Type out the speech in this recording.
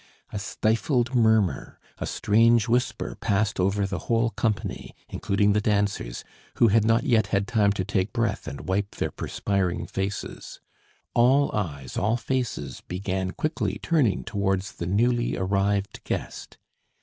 A stifled murmur, a strange whisper passed over the whole company, including the dancers, who had not yet had time to take breath and wipe their perspiring faces. All eyes, all faces began quickly turning towards the newly arrived guest.